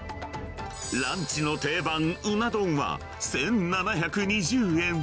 ランチの定番、うな丼は１７２０円。